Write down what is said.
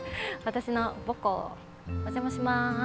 私の母校お邪魔します。